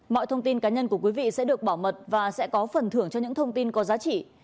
mọi thông tin cá nhân của quý vị sẽ được bảo mật và sẽ có phần thưởng cho những thông tin có giá trị